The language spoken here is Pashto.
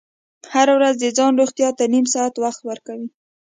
هره ورځ د ځان روغتیا ته نیم ساعت وخت ورکوئ.